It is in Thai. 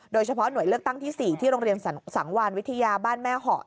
โดยเฉพาะหน่วยเลือกตั้งที่๔ที่โรงเรียนสังวานวิทยาบ้านแม่เหาะ